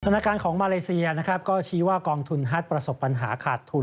ธนการของมาเลเซียชี้ว่ากองทุนฮัดประสบปัญหาขาดทุน